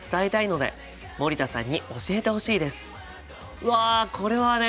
うわこれはね